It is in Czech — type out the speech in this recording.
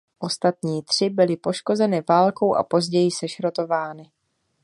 Ostatní tři byly poškozeny válkou a později sešrotovány.